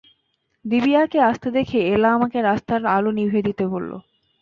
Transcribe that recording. দিবিয়াকে আসতে দেখে এলা আমাকে রাস্তার আলো নিভিয়ে দিতে বলল।